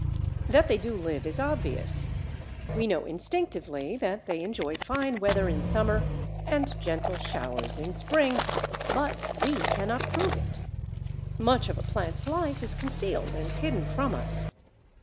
That they do live is obvious; we know instinctively that they enjoy fine weather in summer and gentle showers in spring, but we cannot prove it. Much of a plant's life is concealed and hidden from us.